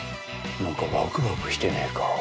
なんかワクワクしてねえか？